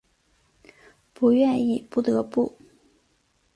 不愿意不得不